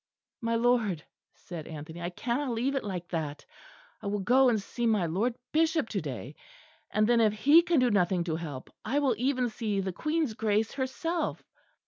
"My Lord," said Anthony, "I cannot leave it like that. I will go and see my lord bishop to day; and then, if he can do nothing to help, I will even see the Queen's Grace herself."